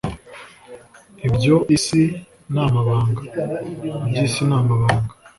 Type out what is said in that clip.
Ibyo isi ni amabanga [Iby’isi ni amabanga]